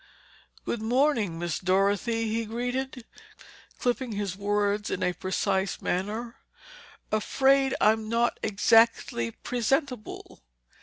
"Good morning, Miss Dorothy," he greeted, clipping his words in a precise manner. "Afraid I'm not exactly presentable."